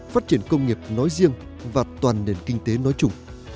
phát triển công nghiệp nói riêng và toàn nền kinh tế nói chung